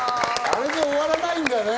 あれで終わらないんだね。